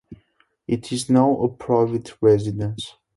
It is now a private residence.